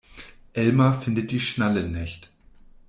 Elmar findet die Schnalle nicht.